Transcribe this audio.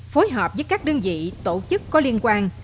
phối hợp với các đơn vị tổ chức có liên quan